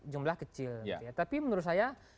jumlah kecil tapi menurut saya